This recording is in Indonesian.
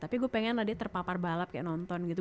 tapi gue pengen lah dia terpapar balap kayak nonton gitu